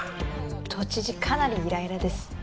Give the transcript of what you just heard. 都知事かなりイライラです。